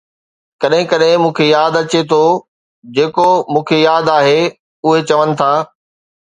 ڪڏهن ڪڏهن مون کي ياد اچي ٿو جيڪو مون کي ياد آهي، 'اهي چون ٿا